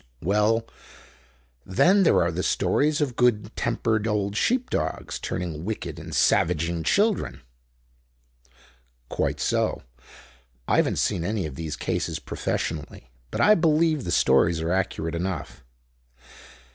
"Well: then there are the stories of good tempered old sheepdogs turning wicked and 'savaging' children?" "Quite so. I haven't seen any of these cases professionally; but I believe the stories are accurate enough."